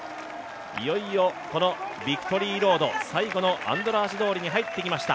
いよいよこの最後のビクトリーロードアンドラーシ通りに入ってきました。